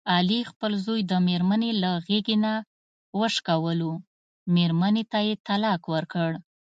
علي خپل زوی د مېرمني له غېږې نه وشکولو، مېرمنې ته یې طلاق ورکړ.